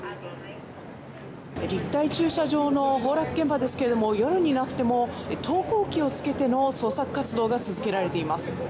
立体駐車場の崩落現場ですけれども夜になっても投光機をつけての捜索活動が続けられています。